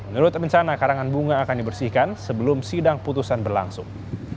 menurut rencana karangan bunga akan dibersihkan sebelum sidang putusan berlangsung